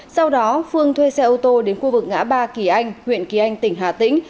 sau đó phương thuê xe ô tô đến khu vực ngã ba kỳ anh huyện kỳ anh tỉnh hà tĩnh